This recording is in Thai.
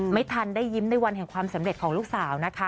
ไม่ทันได้ยิ้มในวันแห่งความสำเร็จของลูกสาวนะคะ